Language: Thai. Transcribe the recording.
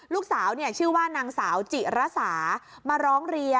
ลูกสาวชื่อว่านางสาวจิระสามาร้องเรียน